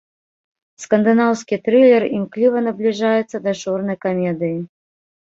Скандынаўскі трылер імкліва набліжаецца да чорнай камедыі.